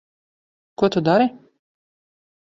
Ko tu dari?